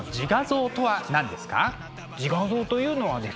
自画像というのはですね